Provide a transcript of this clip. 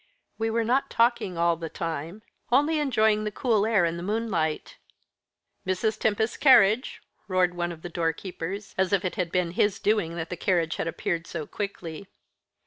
"We were not talking all the time, only enjoying the cool air and the moonlight." "Mrs. Tempest's carriage!" roared one of the door keepers, as if it had been his doing that the carriage had appeared so quickly.